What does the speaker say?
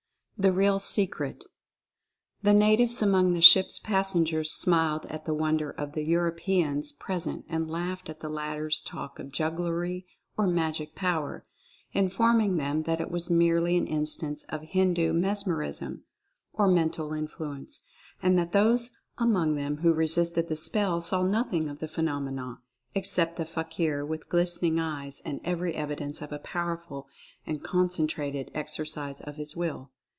THE REAL SECRET. The natives among the ship's passengers smiled at the wonder of the Europeans present and laughed at the latter's talk of jugglery or magic power, inform ing them that it was merely an instance of Hindu Mesmerism, or Mental Influence, and that those among them who resisted the spell saw nothing of the phe nomena, except the fakir with glistening eyes, and every evidence of a powerful and concentrated exer cise of his Will.